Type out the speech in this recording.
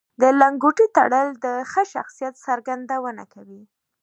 د لنګوټې تړل د ښه شخصیت څرګندونه کوي